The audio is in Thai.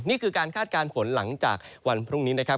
นี่คือการคาดการณ์ฝนหลังจากวันพรุ่งนี้นะครับ